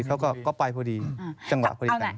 เขาก็ไปพอดีจังหวะคุยกัน